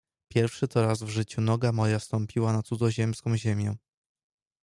"Pierwszy to raz w życiu noga moja stąpiła na cudzoziemską ziemię."